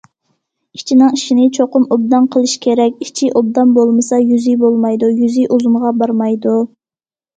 ئىچىنىڭ ئىشىنى چوقۇم ئوبدان قىلىش كېرەك، ئىچى ئوبدان بولمىسا، يۈزى بولمايدۇ، يۈزى ئۇزۇنغا بارمايدۇ.